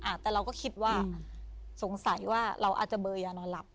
แต่เราก็คิดว่าสงสัยว่าเราอาจจะเบอร์ยานอนหลับ